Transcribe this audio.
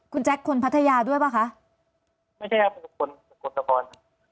คุณแจ๊คคนพัทยาด้วยป่ะคะไม่ใช่ครับเป็นคนสกลนคร